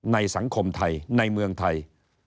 ในสังคมไทยในเมืองไทย